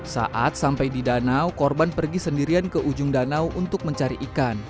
saat sampai di danau korban pergi sendirian ke ujung danau untuk mencari ikan